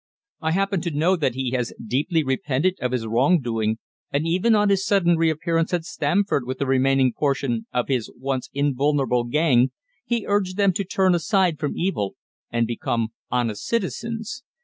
"I happen to know that he has deeply repented of his wrongdoing, and even on his sudden reappearance at Stamford with the remaining portion of his once invulnerable gang, he urged them to turn aside from evil, and become honest citizens.